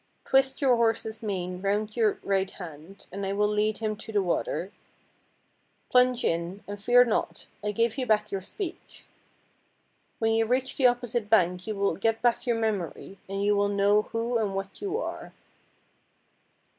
Twist your horse's mane round your right hand, and I will lead him to the water. Plunge in, and fear not. I gave you back your speech. When you reach the opposite PRINCESS AND DWARF 107 bank you will get back your memory, and you will know who and what you are."